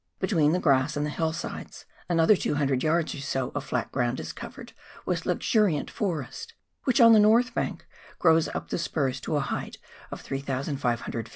Between the grass and the hillsides another 200 yards or so of flat ground is covered with luxuriant forest, which on the north bank grows up the spurs to a height of 3,500 ft.